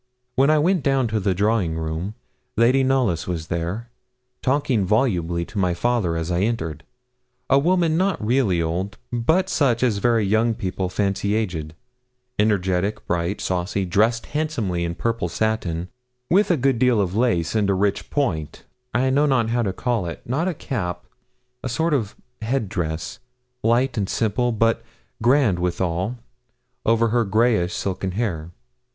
When I went down to the drawing room, Lady Knollys was there, talking volubly to my father as I entered a woman not really old, but such as very young people fancy aged energetic, bright, saucy, dressed handsomely in purple satin, with a good deal of lace, and a rich point I know not how to call it not a cap, a sort of head dress light and simple, but grand withal, over her greyish, silken hair.